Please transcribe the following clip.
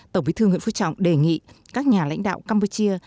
tổng bí thư nguyễn phú trọng đề nghị các nhà lãnh đạo campuchia